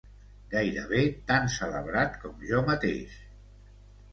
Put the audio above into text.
Gairebé tan celebrat com jo mateix!